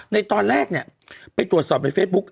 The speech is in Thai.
ในตอนแรกเนี่ยไปตรวจสอบในเฟซบุ๊ค